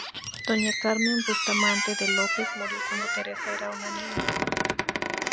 Doña Carmen Bustamante de López murió cuando Teresa era una niña.